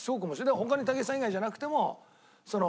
だから他にたけしさん以外じゃなくても。